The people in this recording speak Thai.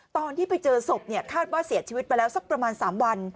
ตอนที่ไปเจอศพคาดว่าเสียชีวิตไปแล้วสักประมาณ๓วัน